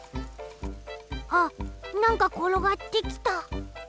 あっなんかころがってきた。